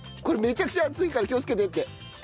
これめちゃくちゃ熱いから気をつけてって。